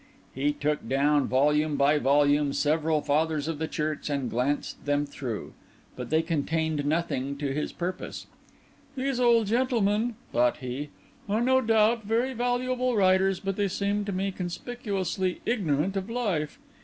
He took down, volume by volume, several Fathers of the Church, and glanced them through; but they contained nothing to his purpose. "These old gentlemen," thought he, "are no doubt very valuable writers, but they seem to me conspicuously ignorant of life.